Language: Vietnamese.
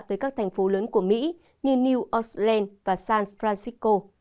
tới các thành phố lớn của mỹ như new aucland và san francisco